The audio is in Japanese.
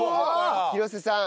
廣瀬さん